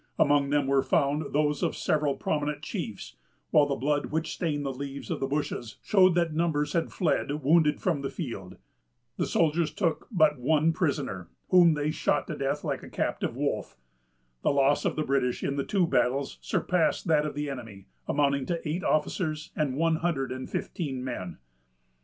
Among them were found those of several prominent chiefs, while the blood which stained the leaves of the bushes showed that numbers had fled wounded from the field. The soldiers took but one prisoner, whom they shot to death like a captive wolf. The loss of the British in the two battles surpassed that of the enemy, amounting to eight officers and one hundred and fifteen men.